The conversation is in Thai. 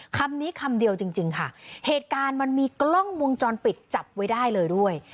คำนี้คำเดียวจริงค่ะเหตุการณ์มันมีกล้องวงจรปิดจับไว้ได้เลยด้วย